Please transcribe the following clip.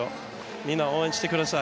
みんな、応援してください。